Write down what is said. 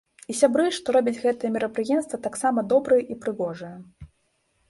І сябры, што робяць гэтае мерапрыемства, таксама добрыя і прыгожыя.